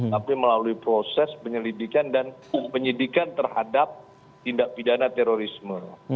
tapi melalui proses penyelidikan dan penyidikan terhadap tindak pidana terorisme